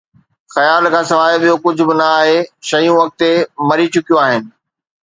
خيال کان سواءِ ٻيو ڪجهه به نه آهي، شيون اڳتي مري چڪيون آهن